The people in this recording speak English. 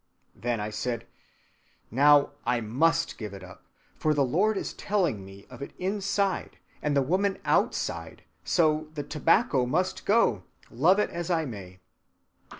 Then I said, 'Now, I must give it up, for the Lord is telling me of it inside, and the woman outside, so the tobacco must go, love it as I may.